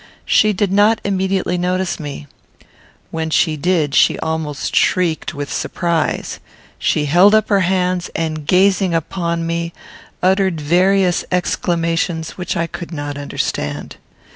She did not immediately notice me. When she did she almost shrieked with surprise. She held up her hands, and, gazing upon me, uttered various exclamations which I could not understand.